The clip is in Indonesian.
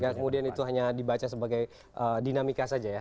kemudian itu hanya dibaca sebagai dinamika saja ya